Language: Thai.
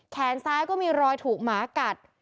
แขนซ้ายก็มีรอยถูกหมากัด